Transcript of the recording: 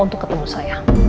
untuk ketemu saya